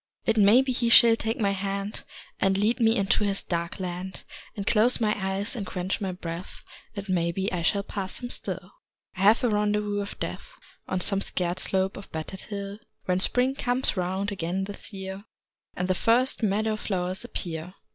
It may be he shall take my hand And lead me into his dark land And close my eyes and quench my breath It may be I shall pass him still. I have a rendezvous with Death On some scarred slope of battered hill, When Spring comes round again this year And the first meadow flowers appear.